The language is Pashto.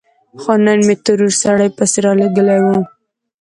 خو نن مې ترور سړی پسې رالېږلی و.